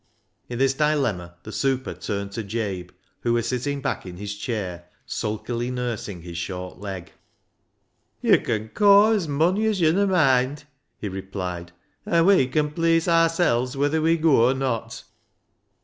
In this dilemma the super turned to Jabe, who was sitting back in his chair, sulkily nursing his short leg. " Yo' can caw as mony as yo'n a moind," he replied, " an' we can pleease aarsel's whether we goa or not."